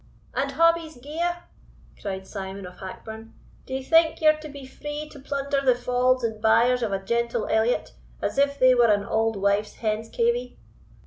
"And Hobbie's gear?" cried Simon of Hackburn. "D'ye think you're to be free to plunder the faulds and byres of a gentle Elliot, as if they were an auld wife's hens' cavey?"